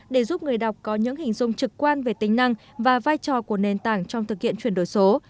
để giúp người đọc có những hình dung trực quan về tính năng và vai trò của nền tảng trong thực hiện chuyển đổi số